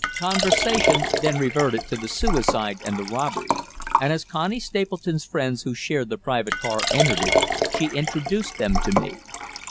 Conversation then reverted to the suicide and the robbery, and as Connie Stapleton's friends who shared the private car entered it, she introduced them to me.